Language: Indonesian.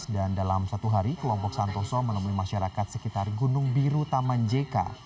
dan dalam satu hari kelompok santoso menemui masyarakat sekitar gunung biru taman jk